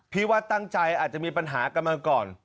พี่ว่าตั้งใจอาจจะมีปัญหากันมาก่อน